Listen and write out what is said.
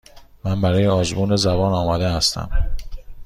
من برای آزمون زبان آماده هستم.